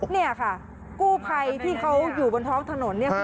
นี่ค่ะกู้ภัยที่เขาอยู่บนท้องถนนเนี่ย